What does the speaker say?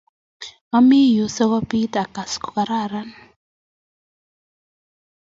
ami yu si ko bit I kass ko kararan